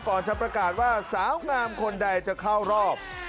จะประกาศว่าสาวงามคนใดจะเข้ารอบ